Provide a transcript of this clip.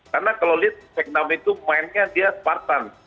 karena kalau lihat vietnam itu mainnya dia spartan